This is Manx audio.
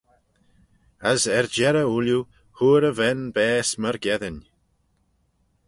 As er-jerrey ooilley hooar y ven baase myrgeddin.